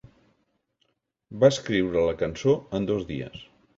Va escriure la cançó en dos dies.